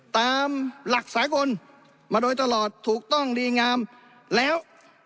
ตามหลักสากลมาโดยตลอดถูกต้องดีงามแล้ว